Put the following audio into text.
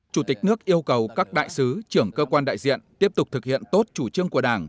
chủ tịch nước yêu cầu các đại sứ trưởng cơ quan đại diện tiếp tục thực hiện tốt chủ trương của đảng